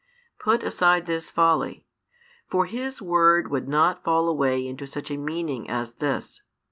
Put aside this folly; for His Word would not fall away into such a meaning as this.